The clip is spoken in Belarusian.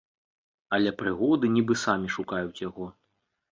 Але прыгоды нібы самі шукаюць яго.